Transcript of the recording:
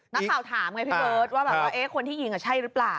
นักข่าวถามไงพี่เบิร์ตว่าแบบว่าคนที่ยิงใช่หรือเปล่า